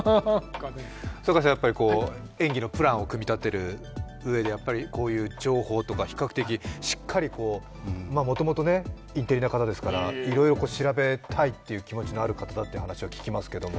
堺さん、演技のプランを組み立てるうえでこういう情報とか比較的しっかり、もともとインテリな方ですからいろいろ調べたいという気持ちのある方だという話を聞きますけども。